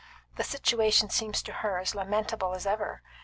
The situation seems to her as lamentable as ever.